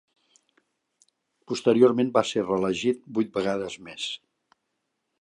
Posteriorment va ser reelegit vuit vegades més.